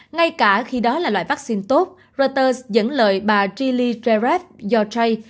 ngay cả khi đó là loại vaccine tốt reuters dẫn lời bà jilly jaref yorjai